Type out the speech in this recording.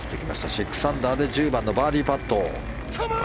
６アンダーで１０番のバーディーパット。